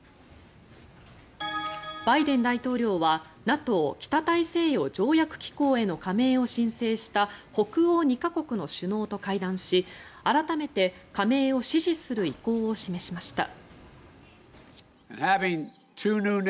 バイデン大統領はＮＡＴＯ・北大西洋条約機構への加盟を申請した北欧２か国の首脳と会談し改めて加盟を支持する意向を示しました。